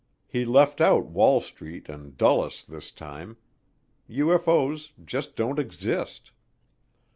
He left out Wall Street and Dulles this time UFO's just don't exist.